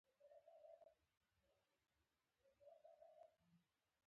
له څو نورو کتابونو سره مې تذکرة الاولیا هم ترې واخیست.